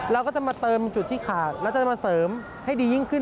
เราก็จะมาเติมจุดที่ขาดแล้วจะมาเสริมให้ดียิ่งขึ้น